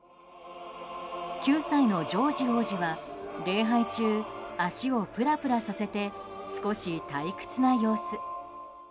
９歳のジョージ王子は礼拝中足をプラプラさせて少し退屈な様子。